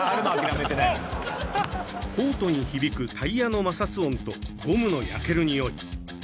コートに響くタイヤの摩擦音とゴムの焼けるにおい。